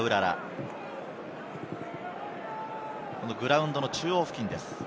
グラウンドの中央付近です。